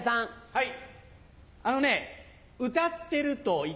はい。